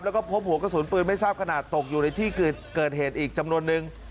แล้วก็พบหัวกระสุนปืนไม่ทราบขนาดตกอยู่ในที่เกิดเหตุอีกจำนวนนึง